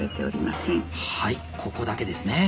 はいここだけですね。